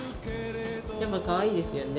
やっぱりかわいいですよね。